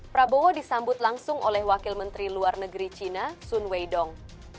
prabowo disambut langsung oleh wakil menteri luar negeri china sun weidong